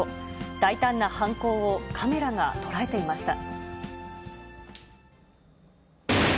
大胆な犯行をカメラが捉えていました。